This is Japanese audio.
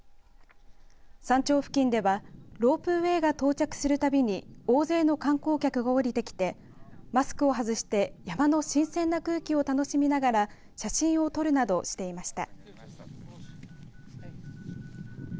山頂付近ではロープウエーが到着するたびに大勢の観光客が降りてきてマスクを外して山の新鮮な空気を楽しみながら写真を撮るなどしていました。